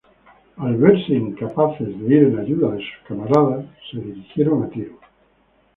Al verse incapaces de ir en ayuda de sus camaradas, se dirigieron a Tiro.